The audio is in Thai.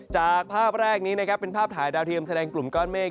จากภาพแรกนี้นะครับเป็นภาพถ่ายดาวเทียมแสดงกลุ่มก้อนเมฆ